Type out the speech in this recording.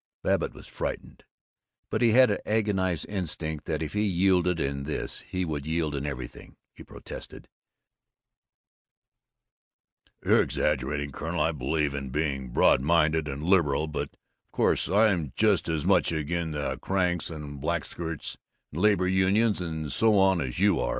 Babbitt was frightened, but he had an agonized instinct that if he yielded in this he would yield in everything. He protested: "You're exaggerating, Colonel. I believe in being broad minded and liberal, but, of course, I'm just as much agin the cranks and blatherskites and labor unions and so on as you are.